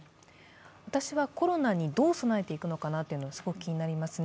私はコロナにどう備えていくのかなというのがすごく気になりますね。